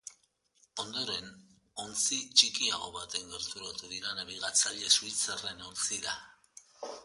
Ondoren, onzti txikiago baten gerturatu dira nabigatzaile suitzarraren ontzira.